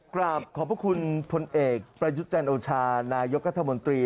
กราบขอบพระคุณพลเอกประยุทธ์จันโอชานายกรัฐมนตรี